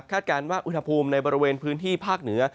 การว่าอุณหภูมิในบริเวณพื้นที่ภาคเหนือ